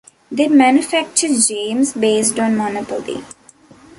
They manufacture games based on Monopoly.